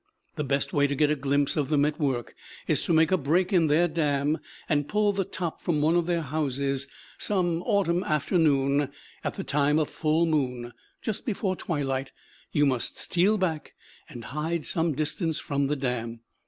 The best way to get a glimpse of them at work is to make a break in their dam and pull the top from one of their houses some autumn afternoon, at the time of full moon. Just before twilight you must steal back and hide some distance from the dam.